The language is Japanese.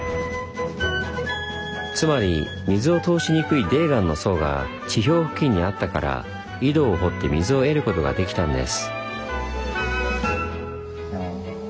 つまり水を通しにくい泥岩の層が地表付近にあったから井戸を掘って水を得ることができたんです。